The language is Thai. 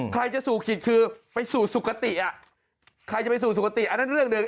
ใครจะสู่ขิตคือไปสู่สุขติอ่ะใครจะไปสู่สุขติอันนั้นเรื่องหนึ่ง